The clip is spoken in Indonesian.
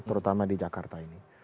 terutama di jakarta ini